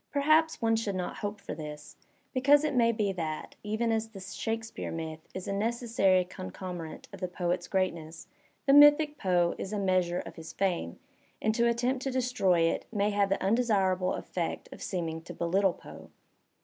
Perhaps one should not hope for this, because it may be that, even as the Shakespeare myth is a necessary concomitant of the poet's greatness, the mythic Poe is a measure of his fame, and to attempt to destroy it may have the undesirable effect of seeming to belittle Poe.